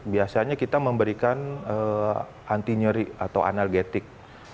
biasanya kita memberikan anti nyeri atau analgetik